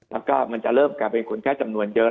แล้วก็มันจะเริ่มกลายเป็นคนแค่จำนวนเยอะ